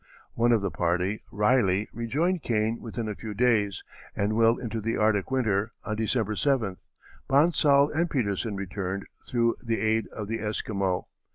One of the party, Riley, rejoined Kane within a few days, and well into the Arctic winter, on December 7th, Bonsall and Petersen returned through the aid of the Esquimaux.